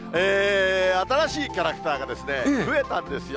新しいキャラクターが、増えたんですよ。